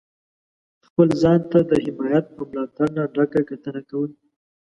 خپل ځان ته د حمایت او ملاتړ نه ډکه کتنه کوئ.